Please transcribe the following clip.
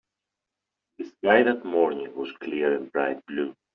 The sky that morning was clear and bright blue.